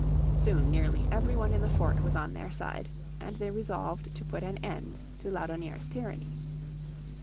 Soon nearly every one in the fort was on their side, and they resolved to put an end to Laudonnière's tyranny.